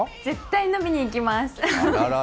絶対飲みに行きます！